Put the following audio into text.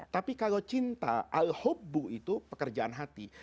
tapi kalau cinta alhubbu itu pekerjaan hati